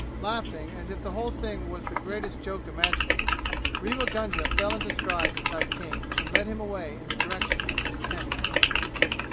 Laughing as if the whole thing was the greatest joke imaginable, Rewa Gunga fell into stride beside King and led him away in the direction of some tents.